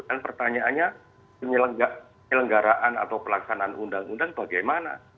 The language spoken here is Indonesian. dan pertanyaannya penyelenggaraan atau pelaksanaan undang undang bagaimana